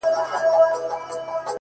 دا خو ډيره گرانه ده _